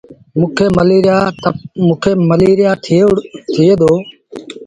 موݩ کي مليٚريآ ٿئي دو۔